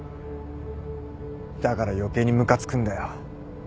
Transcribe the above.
だから余計にムカつくんだよ。